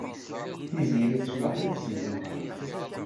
Tiziri tecḍeḥ yid-s deg tmeɣra.